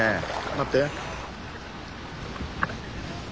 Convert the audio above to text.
待って。